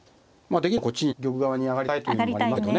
できればこっちにね玉側に上がりたいというのもありますけどね。